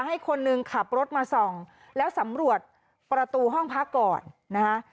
ให้คนหนึ่งขับรถมาส่องแล้วสำรวจประตูห้องพักก่อนนะคะ